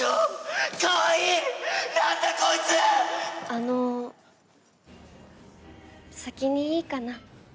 あの先にいいかな？